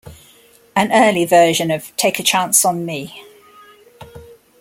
An early version of "Take a Chance on Me".